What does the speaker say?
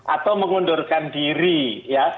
atau mengundurkan diri ya